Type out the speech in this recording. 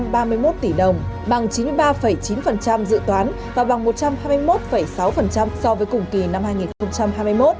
bằng chín mươi ba chín dự toán và bằng một trăm hai mươi một sáu so với cùng kỳ năm hai nghìn hai mươi một